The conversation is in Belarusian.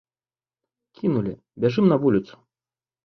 Кінулі, бяжым на вуліцу.